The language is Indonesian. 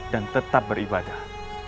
dan tetap beribadah